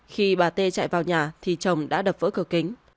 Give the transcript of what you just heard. khi bà tê chạy vào nhà thì chồng đã đập vỡ cửa kính